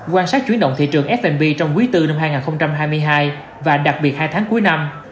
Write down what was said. quan sát chuyển động thị trường f b trong quý bốn năm hai nghìn hai mươi hai và đặc biệt hai tháng cuối năm